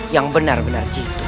yang benar benar jitu